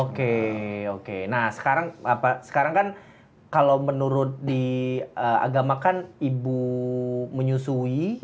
oke oke nah sekarang apa sekarang kan kalau menurut di agama kan ibu menyusui